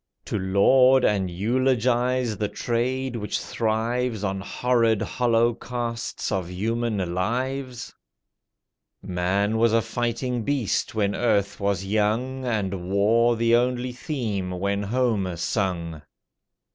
To laud and eulogize the trade which thrives On horrid holocausts of human lives? Man was a fighting beast when earth was young, And war the only theme when Homer sung.